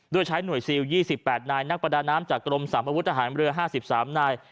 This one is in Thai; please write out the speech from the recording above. โดยใช้หน่วยซิล๒๘นายนักประดาน้ำจากกรมสามอาวุธทหารเรือ๕๓นาย